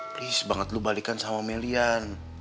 please banget lu balikan sama meli yan